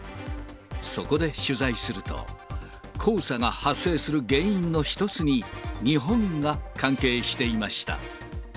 そこで取材すると、黄砂が発生する原因の一つに、日本が関係していました。